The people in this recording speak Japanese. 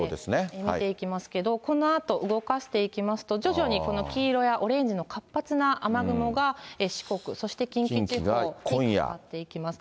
見ていきますけれども、このあと動かしていきますと、徐々にこの黄色やオレンジの活発な雨雲が、四国、そして近畿地方にかかっていきます。